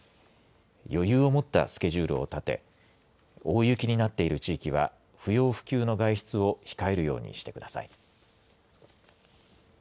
余裕を持ったスケジュールを立て大雪になっている地域は不要不急の外出を控えるようにしてください。